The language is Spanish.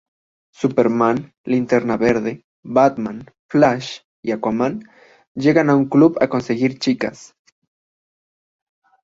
Superman, Linterna Verde, Batman, Flash, y Aquaman llegan a un club a conseguir chicas.